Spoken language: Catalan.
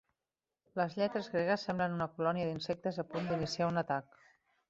Les lletres gregues semblen una colònia d'insectes a punt d'iniciar un atac.